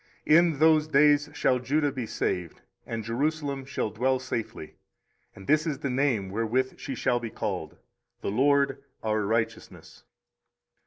24:033:016 In those days shall Judah be saved, and Jerusalem shall dwell safely: and this is the name wherewith she shall be called, The LORD our righteousness.